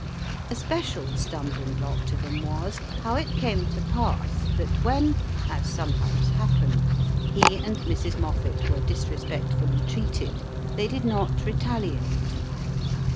A special stumbling block to them was, how it came to pass that when, as sometimes happened, he and Mrs Moffat were disrespectfully treated, they did not retaliate.